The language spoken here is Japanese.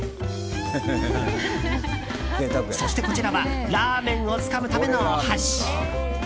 そして、こちらはラーメンをつかむためのお箸。